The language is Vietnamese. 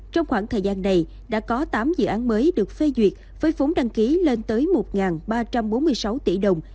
trong khoảng thời gian này đã có tám dự án mới được phê duyệt với vốn đăng ký lên tới một ba trăm bốn mươi sáu tỷ đồng